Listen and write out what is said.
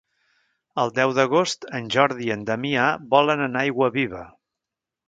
El deu d'agost en Jordi i en Damià volen anar a Aiguaviva.